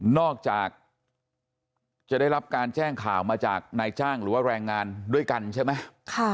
นอกจากจะได้รับการแจ้งข่าวมาจากนายจ้างหรือว่าแรงงานด้วยกันใช่ไหม